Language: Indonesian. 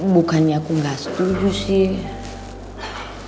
bukannya aku nggak setuju sih